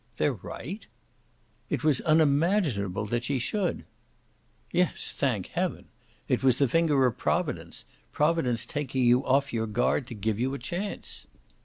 "They're right?" "It was unimaginable that she should." "Yes, thank heaven! It was the finger of providence providence taking you off your guard to give you your chance."